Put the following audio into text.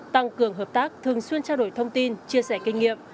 tăng cường hợp tác thường xuyên trao đổi thông tin chia sẻ kinh nghiệm